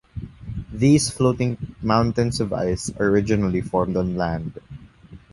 These floating mountains of ice are originally formed on land.